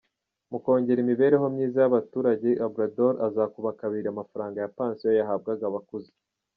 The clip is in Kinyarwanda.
Mu kongera imibereho myiza y’abaturage, Obrador azakuba kabiri amafaranga ya pansiyo yahabwaga abakuze.